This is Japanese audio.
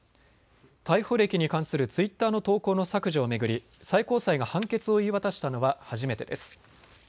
逮捕歴に関するツイッターの投稿の削除を巡り最高裁が判決を言い渡したのは初めてです。